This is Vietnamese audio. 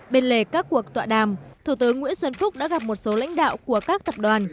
bên lề các cuộc tọa đàm thủ tướng nguyễn xuân phúc đã gặp một số lãnh đạo của các tập đoàn